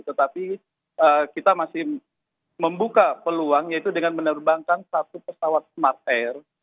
tetapi kita masih membuka peluang yaitu dengan menerbangkan satu pesawat smart air